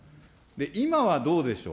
今はどうでしょう。